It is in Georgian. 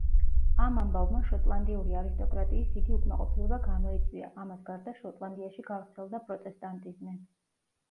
ამ ამბავმა შოტლანდიური არისტოკრატიის დიდი უკმაყოფილება გამოიწვია, ამას გარდა შოტლანდიაში გავრცელდა პროტესტანტიზმი.